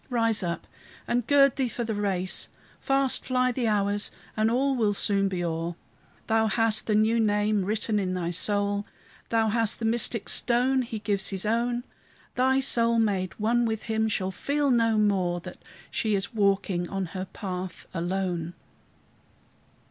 rise up! and gird thee for the race! Fast fly the hours, and all will soon be o'er. Thou hast the new name written in thy soul; Thou hast the mystic stone He gives his own. Thy soul, made one with him, shall feel no more That she is walking on her path alone.